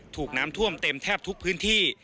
ถูกน้ำท่วมเต็มแทบทุกพื้นที่